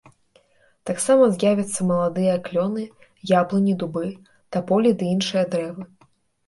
Таксама з'явяцца маладыя клёны, яблыні, дубы, таполі ды іншыя дрэвы.